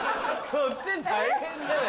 こっち大変だ。